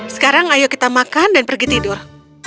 sekarang ayo kita makan dan pergi tidur